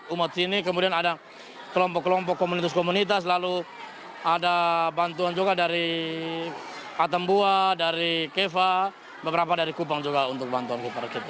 umat sini kemudian ada kelompok kelompok komunitas komunitas lalu ada bantuan juga dari atambua dari keva beberapa dari kupang juga untuk bantuan kupar kita